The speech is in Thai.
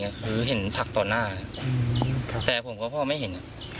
มาเห็นตอนหน้าแต่ผมก็พ่อไม่เห็น